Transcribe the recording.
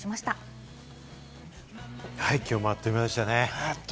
きょうもあっという間でしたね。